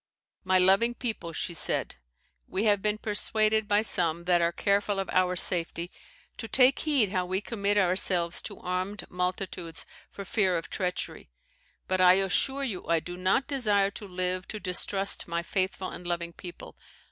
"My loving people," she said, "we have been persuaded by some that are careful of our safety, to take heed how we commit ourselves to armed multitudes for fear of treachery; but I assure you I do not desire to live to distrust my faithful and loving people.